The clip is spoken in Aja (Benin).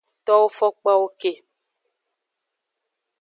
Towo fokpawo ke.